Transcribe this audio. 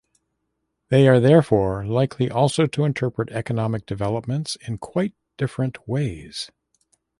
They are therefore likely also to interpret economic developments in quite different ways.